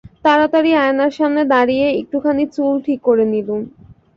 তাড়াতাড়ি আয়নার সামনে দাঁড়িয়ে একটুখানি চুল ঠিক করে নিলুম।